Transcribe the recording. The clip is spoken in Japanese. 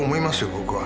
僕は。